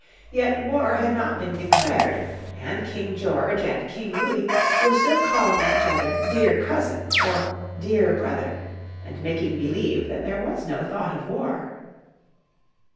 Yet war had not been declared and King George and King Louis were still calling each other "dear cousin" or "dear brother," and making believe that there was no thought of war.